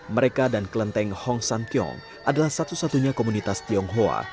mereka dan kelenteng hong san tiong adalah satu satunya komunitas tionghoa